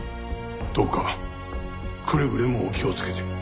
どうかくれぐれもお気をつけて。